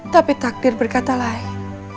tapi takdir berkata lain